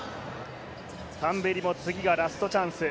タンベリも次がラストチャンス。